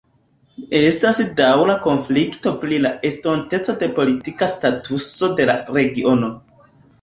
Estas daŭra konflikto pri la estonteco de politika statuso de la regiono.